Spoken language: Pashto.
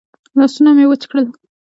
لاسونه مې وچ کړل.